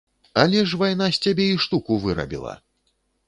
Але ж вайна з цябе і штуку вырабіла!